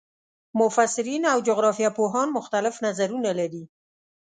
مفسرین او جغرافیه پوهان مختلف نظرونه لري.